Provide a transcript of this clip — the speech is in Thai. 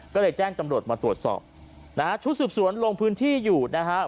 ก็เลยแจ้งตำรวจมาตรวจสอบนะฮะชุดสืบสวนลงพื้นที่อยู่นะฮะ